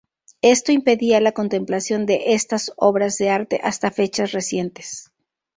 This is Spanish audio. Esto impedía la contemplación de estas obras de arte hasta fechas recientes.